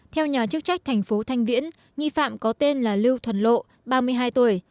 theo nhà chức trách thành phố thanh viễn nghi phạm có tên là lưu thuần lộ ba mươi hai tuổi